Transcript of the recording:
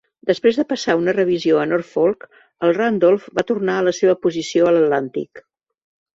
Després de passar una revisió a Norfolk, el Randolph va tornar a la seva posició a l'Atlàntic.